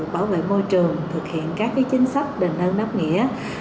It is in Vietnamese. bảo vệ môi trường thực hiện các chính sách đền ơn đáp nghĩa